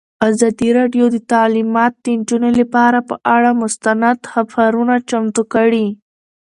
ازادي راډیو د تعلیمات د نجونو لپاره پر اړه مستند خپرونه چمتو کړې.